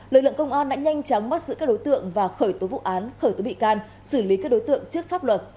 lực lượng công an đã nhanh chóng bắt giữ các đối tượng và khởi tố vụ án khởi tố bị can xử lý các đối tượng trước pháp luật